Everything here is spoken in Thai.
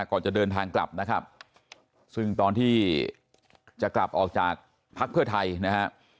ก่อนจะเดินทางกลับนะครับซึ่งตอนที่จะกลับออกจากภักดิ์เพื่อไทยนะฮะ